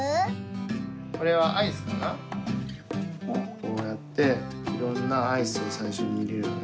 こうやっていろんなアイスをさいしょにいれるのね